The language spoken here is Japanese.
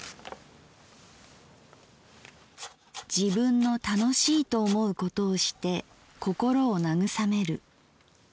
「自分の楽しいと思うことをして心を慰める。